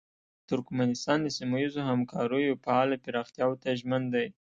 ترکمنستان د سیمه ییزو همکاریو فعاله پراختیاوو ته ژمن دی.